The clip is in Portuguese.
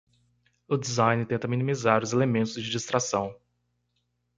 O design tenta minimizar os elementos de distração.